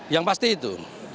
yang pasti itu